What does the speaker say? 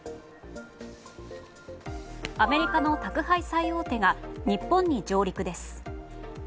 アメリカの宅配最大手が日本に上陸です。